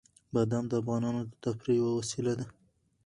بادام د افغانانو د تفریح یوه وسیله ده.